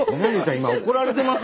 今怒られてます？